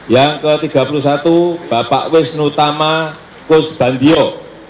yang ke tiga puluh satu bapak wisnu tama kusbandio